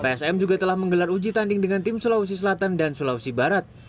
psm juga telah menggelar uji tanding dengan tim sulawesi selatan dan sulawesi barat